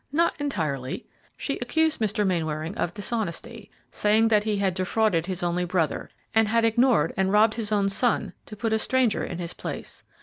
"Not entirely. She accused Mr. Mainwaring of dishonesty, saying that he had defrauded his only brother, and had ignored and robbed his own son to put a stranger in his place.